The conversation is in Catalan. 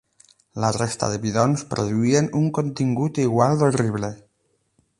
La resta de bidons produïen un contingut igual d'horrible.